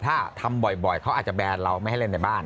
ถ้าทำบ่อยเขาอาจจะแบนเราไม่ให้เล่นในบ้าน